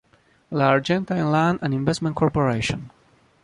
La Argentine Land and Investment Co.